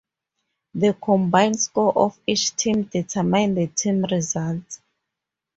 The combined score of each team determined the team results.